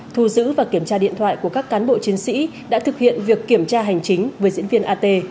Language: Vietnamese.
thu giữ và kiểm tra điện thoại của các cán bộ chiến sĩ đã thực hiện việc kiểm tra hành chính với diễn viên at